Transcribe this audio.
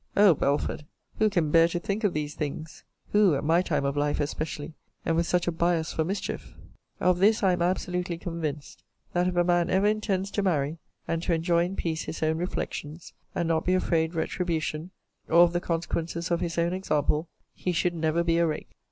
O Belford! who can bear to think of these things! Who, at my time of life especially, and with such a bias for mischief! * See Letter XVIII. of this volume. Of this I am absolutely convinced, that if a man ever intends to marry, and to enjoy in peace his own reflections, and not be afraid retribution, or of the consequences of his own example, he should never be a rake.